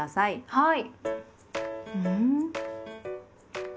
はい。